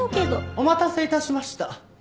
お待たせ致しました。